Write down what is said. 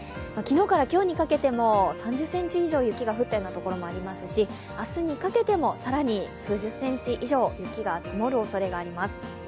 昨日から今日にかけても３０ｃｍ以上雪が降った所もありますし、明日にかけても更に数十センチ以上、雪が積もるおそれがあります。